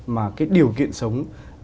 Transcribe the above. mà cái điều kiện sống